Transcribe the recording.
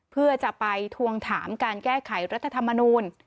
เพื่อจะไปทวงถามการแก้ไขรัฐธรรมนูล